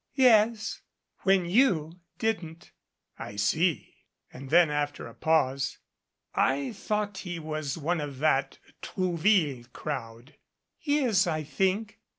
"Yes, when you didn't." "I see." And then after a pause. "I thought he was one of that Trouville crowd." "He is, I think.